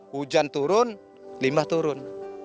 hujan turun limbah turun